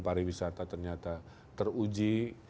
pariwisata ternyata teruji